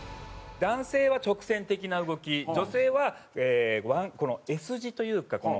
男性は直線的な動き女性はＳ字というか曲線。